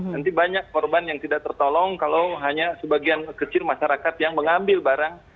nanti banyak korban yang tidak tertolong kalau hanya sebagian kecil masyarakat yang mengambil barang